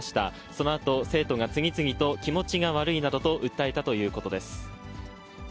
そのあと生徒が次々と、気持ちが悪いなどと訴えたということです。